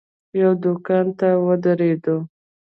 یوه دوکان ته ودرېدو.